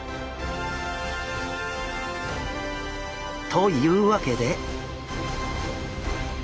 というわけで。